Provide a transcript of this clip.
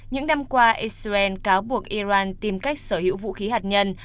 những năm qua israel cáo buộc iran tìm cách sở hữu vũ khí hạt nhân